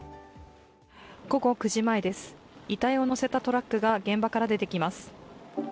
午後９時前です、遺体を載せたトラックが現場から出てきます。